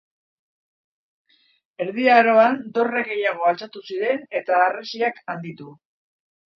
Erdi Aroan dorre gehiago altxatu ziren eta harresiak handitu.